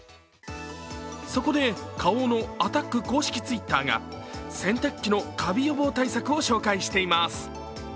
そこで、花王のアタック公式Ｔｗｉｔｔｅｒが洗濯機のカビ予防対策を紹介しています。